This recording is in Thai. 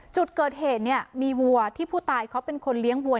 จุดเกิดเหตุเนี่ยมีวัวที่ผู้ตายเขาเป็นคนเลี้ยงวัว